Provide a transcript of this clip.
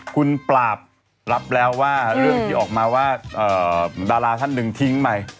คุณปราบรับแล้วว่าเรื่องที่ออกมาว่าดาราท่านหนึ่งทิ้งไป